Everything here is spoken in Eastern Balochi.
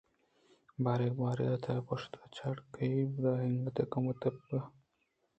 بارگ ءَ بارگ تنکیں پوشاک ءُچاڑکئی ءَ ابید انگتءَ کمے تپاوتے داشت اَنت! کاف چے حدءَتاں آئی ءَ را وتی کمکار بہ منیّت